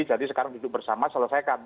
jadi sekarang duduk bersama selesaikan